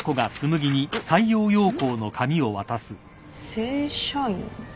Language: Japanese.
「正社員」？